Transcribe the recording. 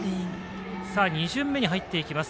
２巡目に入っていきます。